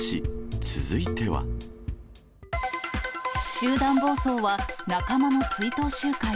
集団暴走は仲間の追悼集会。